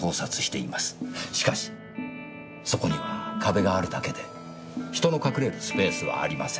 しかしそこには壁があるだけで人の隠れるスペースはありません。